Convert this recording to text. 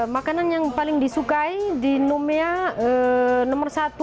makanan yang paling disukai di numea nomor satu